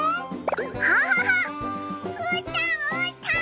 キャハハうーたんうーたん！